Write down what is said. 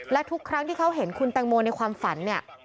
และทุกครั้งที่เขาเห็นคุณแตงโมในความฝันเนี่ย